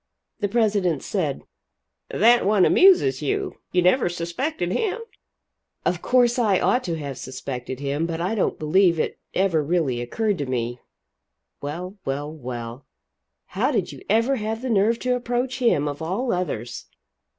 The president said: "That one amuses you. You never suspected him?" "Of course I ought to have suspected him, but I don't believe it ever really occurred to me. Well, well, well how did you ever have the nerve to approach him, of all others?"